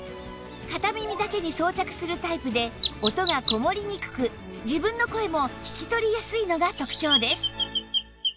片耳だけに装着するタイプで音がこもりにくく自分の声も聞き取りやすいのが特長です